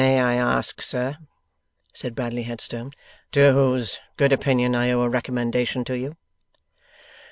'May I ask, sir,' said Bradley Headstone, 'to whose good opinion I owe a recommendation to you?